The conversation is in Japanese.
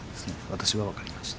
私は分かりました。